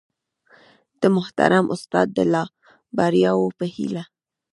د محترم استاد د لا بریاوو په هیله